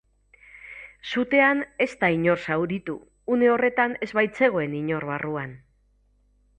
Sutean ez da inor zauritu, une horretan ez baitzegoen inor barruan.